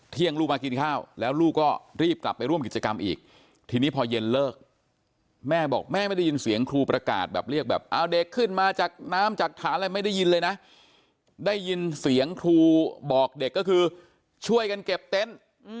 ลูกมากินข้าวแล้วลูกก็รีบกลับไปร่วมกิจกรรมอีกทีนี้พอเย็นเลิกแม่บอกแม่ไม่ได้ยินเสียงครูประกาศแบบเรียกแบบเอาเด็กขึ้นมาจากน้ำจากฐานอะไรไม่ได้ยินเลยนะได้ยินเสียงครูบอกเด็กก็คือช่วยกันเก็บเต็นต์